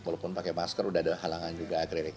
walaupun pakai masker sudah ada halangan juga akrilik